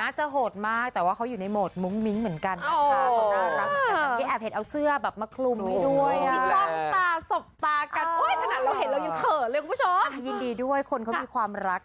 น่าจะโหดมากแต่ว่าเขาอยู่ในโหมดมุ้งมิ้งเหมือนกันนะคะ